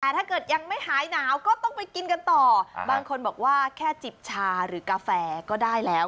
แต่ถ้าเกิดยังไม่หายหนาวก็ต้องไปกินกันต่อบางคนบอกว่าแค่จิบชาหรือกาแฟก็ได้แล้ว